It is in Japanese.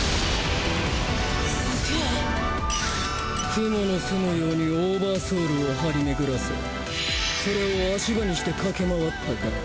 クモの巣のようにオーバーソウそれを足場にして駆け回ったか。